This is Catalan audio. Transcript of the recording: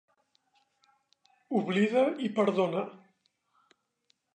Oblida y perdona.